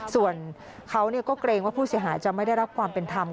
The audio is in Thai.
ส่วนเขาก็เกรงว่าผู้เสียหายจะไม่ได้รับความเป็นธรรม